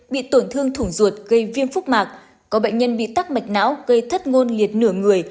bị tổn thương thủng ruột gây viêm phúc mạc có bệnh nhân bị tắc mạch não gây thất ngôn liệt nửa người